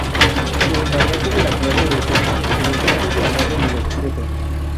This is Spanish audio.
La invariante de la clase restringe el estado guardado en el objeto.